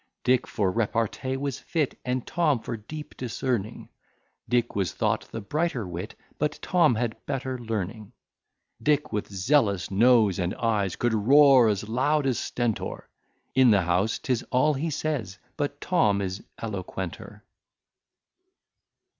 Dick for repartee was fit, And Tom for deep discerning; Dick was thought the brighter wit, But Tom had better learning. Dick with zealous noes and ayes Could roar as loud as Stentor, In the house 'tis all he says; But Tom is eloquenter.